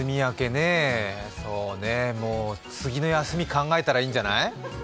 そうねえ、もう次の休みをを考えたらいいんじゃない？